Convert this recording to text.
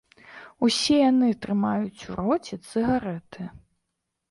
Усе яны трымаюць у роце цыгарэты.